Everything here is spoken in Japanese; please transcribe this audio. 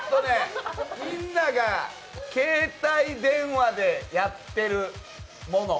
みんなが携帯電話でやってるもの。